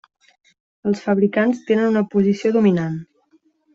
Els fabricants tenen una posició dominant.